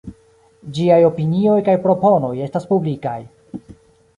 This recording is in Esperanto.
Ĝiaj opinioj kaj proponoj estas publikaj.